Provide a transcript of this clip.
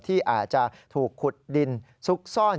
ที่อาจจะถูกขุดดินซุกซ่อน